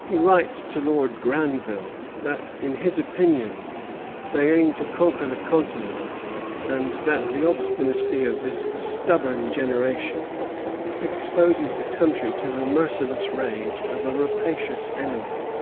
He writes to Lord Granville that, in his opinion, they aim to conquer the continent, and that "the obstinacy of this stubborn generation" exposes the country "to the merciless rage of a rapacious enemy."